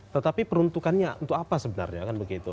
tetapi peruntukannya untuk apa sebenarnya kan begitu